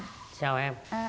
dạ chào anh